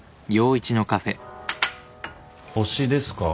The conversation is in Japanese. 星ですか？